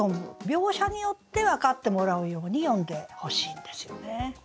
描写によって分かってもらうように詠んでほしいんですよね。